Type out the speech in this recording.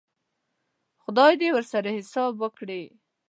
خدای دې ورسره حساب وکړي.